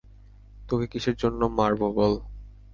তোকে কিসের জন্য মারব বল?